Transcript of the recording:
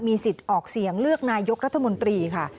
สิทธิ์ออกเสียงเลือกนายกรัฐมนตรีค่ะ